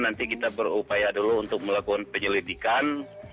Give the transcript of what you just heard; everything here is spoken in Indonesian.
nanti kita berupaya dulu untuk melakukan penyelidikan